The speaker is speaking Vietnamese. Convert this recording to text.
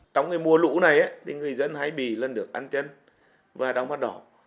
trong mùa lũ này người dân hãy bị lân nước ăn chân và đau mắt đỏ